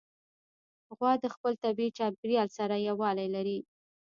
غوا د خپل طبیعي چاپېریال سره یووالی لري.